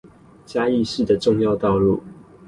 嘉義市的重要道路